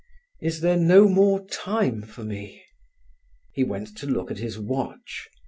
"Is there no more time for me?" He went to look at his watch.